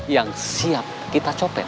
yang siap kita temukan